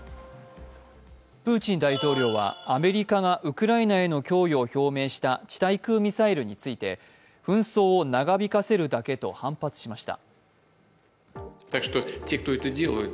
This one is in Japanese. プーチン大統領はアメリカがウクライナへの供与を表明した地対空ミサイルについて紛争を長引かせるだけと反発しました。